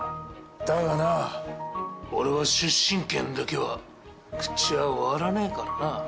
だがな俺は出身県だけは口は割らねえからな。